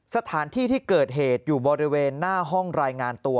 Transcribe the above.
สถานที่ที่เกิดเหตุอยู่บริเวณหน้าห้องรายงานตัว